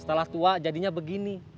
setelah tua jadinya begini